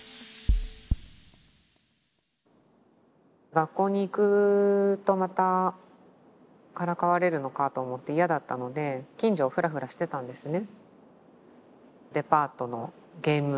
学校に行くとまたからかわれるのかと思って嫌だったので近所をふらふらしてたんですね。